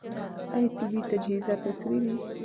آیا طبي تجهیزات عصري دي؟